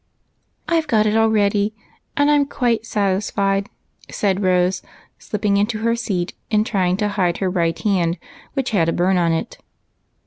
" I 've got it already, and I 'm quite satisfied," said Rose, slipping into her seat, and trying to hide her right hand which had a burn on it.